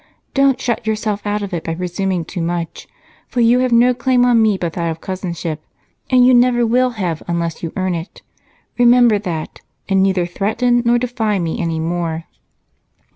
Don't shut yourself out of it by presuming too much, for you have no claim on me but that of cousinship, and you never will have unless you earn it. Remember that, and neither threaten nor defy me anymore."